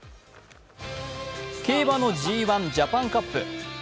競馬のＧⅠジャパンカップ。